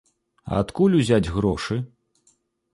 А адкуль узяць грошы?